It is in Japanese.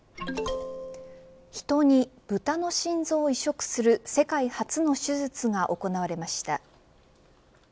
人にブタの心臓を移植する世界初の手術が行われました。